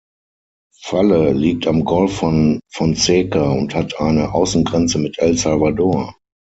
Valle liegt am Golf von Fonseca und hat eine Außengrenze mit El Salvador.